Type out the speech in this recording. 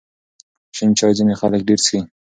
شین چای ځینې خلک ډېر څښي.